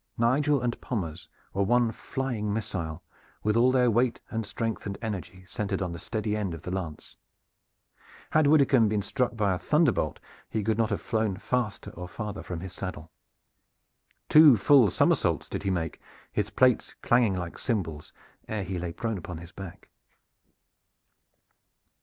Nigel and Pommers were one flying missile, with all their weight and strength and energy centered on the steady end of the lance. Had Widdicombe been struck by a thunderbolt he could not have flown faster or farther from his saddle. Two full somersaults did he make, his plates clanging like cymbals, ere he lay prone upon his back.